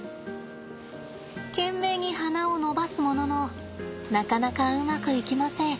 懸命に鼻を伸ばすもののなかなかうまくいきません。